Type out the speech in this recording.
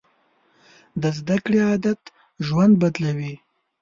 د زده کړې عادت ژوند بدلوي.